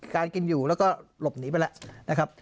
การกินอยู่แล้วก็หลบหนีไปแล้วนะครับ